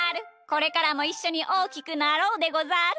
これからもいっしょにおおきくなろうでござる！